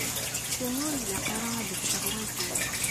Acimi ur yi-ilaq ara ad ččeɣ wagi?